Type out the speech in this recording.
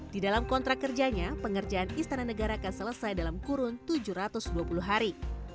di dalam kontrak kerjanya pengerjaan istana negara akan selesai dalam kurun tujuh ratus dua puluh hari